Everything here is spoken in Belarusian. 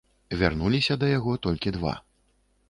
Вярнуліся да яго толькі два.